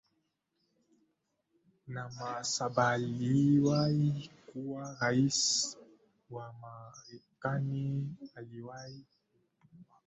na sabaaliwai kuwa Rais wa Marekani aliwai kutawala kwa Muda wa miaka tisa